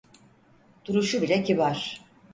Duruşu bile kibar.